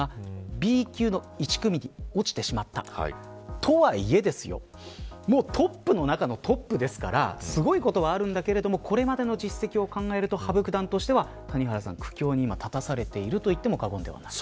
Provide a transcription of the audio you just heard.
とはいえトップの中のトップですからすごいことはあるんだけれどもこれまでの実績を考えると羽生九段としては今苦境に立たされてると言っても過言ではない。